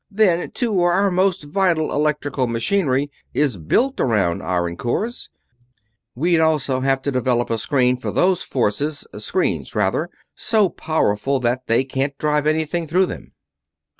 "Then, too, our most vital electrical machinery is built around iron cores. We'll also have to develop a screen for those forces screens, rather, so powerful that they can't drive anything through them."